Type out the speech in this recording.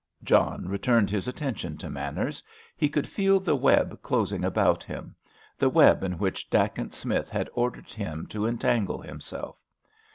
John returned his attention to Manners. He could feel the web closing about him—the web in which Dacent Smith had ordered him to entangle himself.